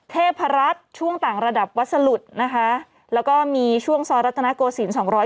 เทพภรรษช่วงต่างระดับวัสลุศ